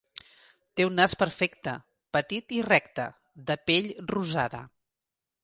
Té un nas perfecte, petit i recte, de pell rosada.